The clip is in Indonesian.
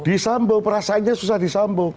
disambung perasaannya susah disambung